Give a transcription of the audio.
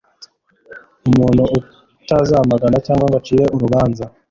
Umuntu utazamagana cyangwa ngo acire urubanza